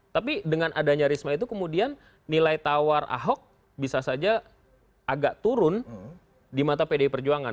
tapi dengan adanya risma itu kemudian nilai tawar ahok bisa saja agak turun di mata pdi perjuangan